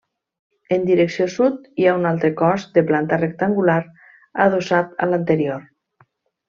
En direcció sud hi ha un altre cos de planta rectangular adossat a l'anterior.